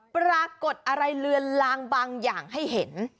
ปรากฏอะไรเลือนลางบางอย่างให้เห็น